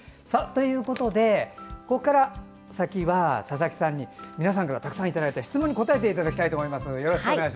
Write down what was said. ここから先は佐々木さんに皆さんからたくさんいただいた質問に答えていただきたいと思います。